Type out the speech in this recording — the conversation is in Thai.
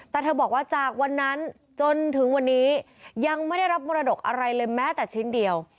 แต่เธอบอกว่าจากวันนั้นจนถึงวันนี้ยังไม่ได้รับมรดกอะไรเลยแม้แต่ชิ้นเดียว